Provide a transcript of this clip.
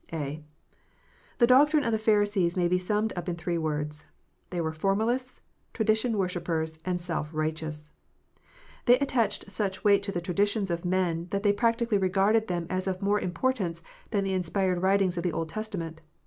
(a) The doctrine of the Pharisees may be summed up in three words, they were formalists, tradition worshippers, and self righteous. They attached such weight to the traditions of men, that they practically regarded them as of more importance than the inspired writings of the Old Testament.